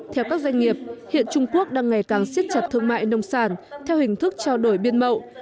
theo các doanh nghiệp hiện trung quốc đang ngày càng siết chặt thương mại nông sản theo hình thức trao đổi biên mậu